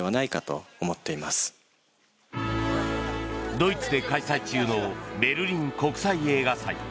ドイツで開催中のベルリン国際映画祭。